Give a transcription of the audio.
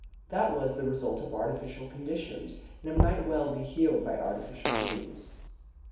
That was the result of artificial conditions, and it might well be healed by artificial means.